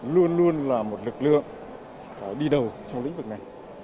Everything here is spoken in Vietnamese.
luôn luôn là một lực lượng đi đầu trong lĩnh vực này